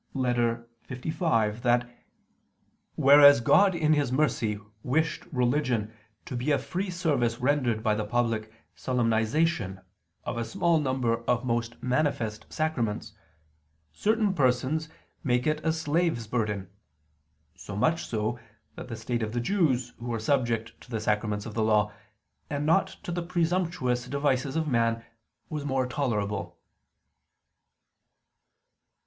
lv) that, "whereas God in His mercy wished religion to be a free service rendered by the public solemnization of a small number of most manifest sacraments, certain persons make it a slave's burden; so much so that the state of the Jews who were subject to the sacraments of the Law, and not to the presumptuous devices of man, was more tolerable."